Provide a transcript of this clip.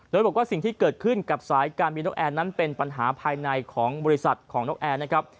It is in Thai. โดยบอกว่าสิ่งที่เกิดขึ้นกับสายการบินนกแอร์นั้นเป็นปัญหาภายในของบริษัทของนกแอร์นะครับ